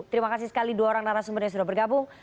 terima kasih sekali dua orang narasumber yang sudah bergabung